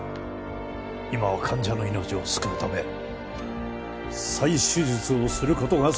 今は患者の命を救うため再手術をする事が先決です。